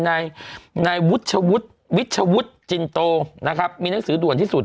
นายวุฒิวิชวุฒิจินโตนะครับมีหนังสือด่วนที่สุด